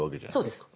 そうです。